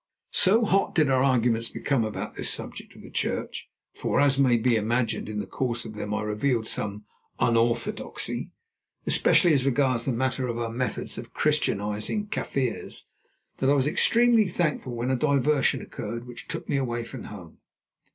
So hot did our arguments become about this subject of the Church, for, as may be imagined, in the course of them I revealed some unorthodoxy, especially as regards the matter of our methods of Christianising Kaffirs, that I was extremely thankful when a diversion occurred which took me away from home.